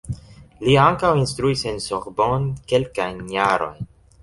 Li ankaŭ instruis en Sorbonne kelkajn jarojn.